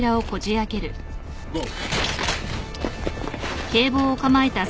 ゴー！